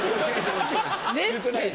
「ねっ」て。